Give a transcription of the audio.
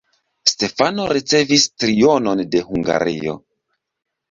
Stefano ricevis trionon de Hungario.